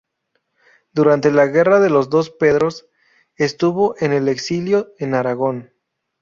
Durante la Guerra de los Dos Pedros estuvo en el exilio en Aragón.